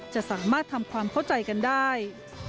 จะสามารถทำความเข้าใจกันได้